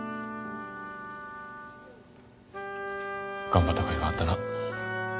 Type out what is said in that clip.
頑張ったかいがあったな。